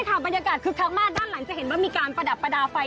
อยากได้ก็ตามก็มาเที่ยวกันได้